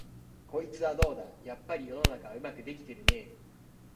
こいつはどうだ、やっぱり世の中はうまくできてるねえ、